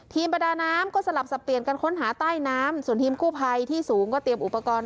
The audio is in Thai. ประดาน้ำก็สลับสับเปลี่ยนกันค้นหาใต้น้ำส่วนทีมกู้ภัยที่สูงก็เตรียมอุปกรณ์